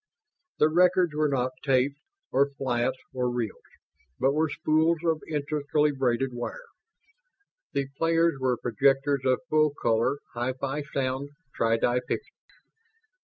The records were not tapes or flats or reels, but were spools of intricately braided wire. The players were projectors of full color, hi fi sound, tri di pictures.